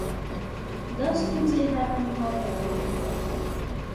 • دا ستونزې هغه مهال له منځه تلای شي.